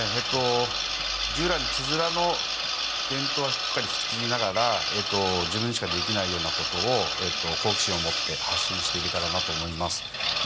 従来のつづらの伝統はしっかりと引き継ぎながら自分にしかできないことを好奇心を持って発信していけたらと思います。